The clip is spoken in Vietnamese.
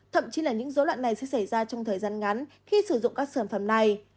thậm chí là những dối loạn này sẽ xảy ra trong thời gian ngắn khi sử dụng các sản phẩm này